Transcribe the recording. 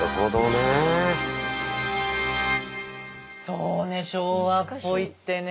そうね昭和っぽいってね。